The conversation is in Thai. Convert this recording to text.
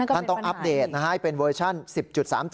ท่านต้องอัปเดตให้เป็นเวอร์ชั่น๑๐๓๐